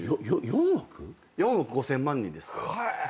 ４億？４億５，０００万人です。